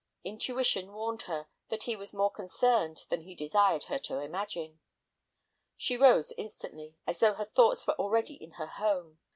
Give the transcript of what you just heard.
Intuition warned her that he was more concerned than he desired her to imagine. She rose instantly, as though her thoughts were already in her home.